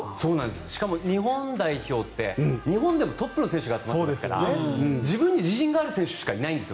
しかも日本代表って日本でもトップの選手が集まっているから自分に自信がある選手しかいないんです。